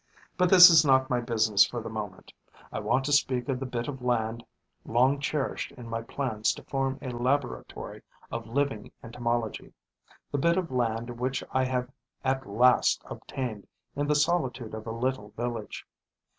But this is not my business for the moment: I want to speak of the bit of land long cherished in my plans to form a laboratory of living entomology, the bit of land which I have at last obtained in the solitude of a little village.